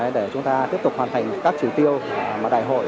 để chúng ta tiếp tục hoàn thành các chỉ tiêu mà đại hội